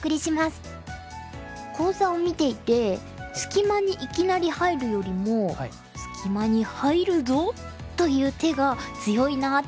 講座を見ていて隙間にいきなり入るよりも「隙間に入るぞ！」という手が強いなって感じました。